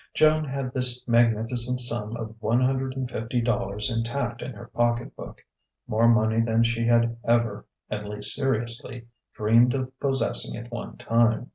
Joan had this magnificent sum of one hundred and fifty dollars intact in her pocket book: more money than she had ever at least, seriously dreamed of possessing at one time.